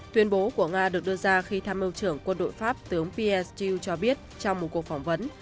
tuyên bố của nga được đưa ra khi tham mưu trưởng quân đội pháp tướng pier stiu cho biết trong một cuộc phỏng vấn